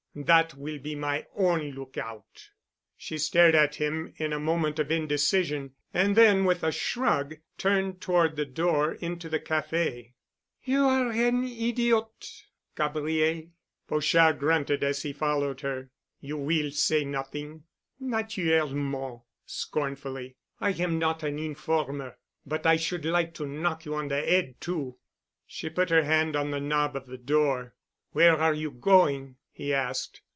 That will be my own lookout." She stared at him in a moment of indecision, and then with a shrug, turned toward the door into the café. "You are an idiot, Gabriel." Pochard grunted as he followed her. "You will say nothing?" "Naturellement," scornfully. "I am not an informer. But I should like to knock you on the head too." She put her hand on the knob of the door. "Where are you going?" he asked.